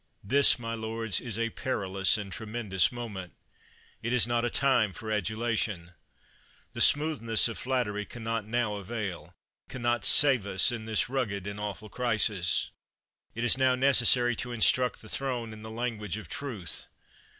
This, my lords, is a perilous and tremendous moment! It is not a time for adulation. The smoothness of flat tery can not now avail — can not save us in this rugged and awful crisis. It is now necessary to instruct the Throne in the language of truth.